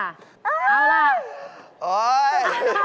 เอ้าล่ะโอ๊ยอันนี้หมดแล้ว